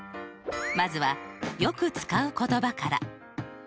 まずはよく使う言葉から。